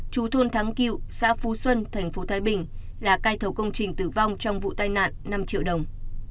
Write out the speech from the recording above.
chú thôn thắng cựu xã phú xuân tp thái bình là cai thầu công trình tử vong trong vụ tai nạn năm triệu đồng